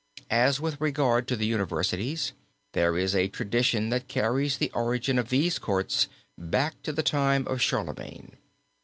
As with regard to the universities, there is a tradition that carries the origin of these courts back to the time of Charlemagne.